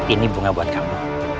ini bunga buat kamu